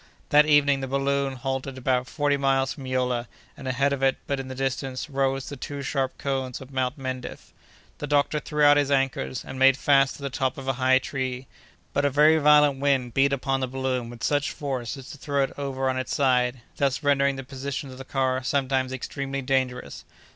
That evening the balloon halted about forty miles from Yola, and ahead of it, but in the distance, rose the two sharp cones of Mount Mendif. The doctor threw out his anchors and made fast to the top of a high tree; but a very violent wind beat upon the balloon with such force as to throw it over on its side, thus rendering the position of the car sometimes extremely dangerous.